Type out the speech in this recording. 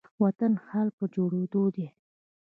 وطن حال په جوړيدو دي